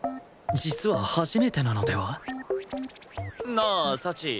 実は初めてなのでは？なあ幸。